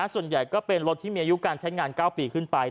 ส่วนใหญ่ก็เป็นรถที่มีอายุการใช้งาน๙ปีขึ้นไป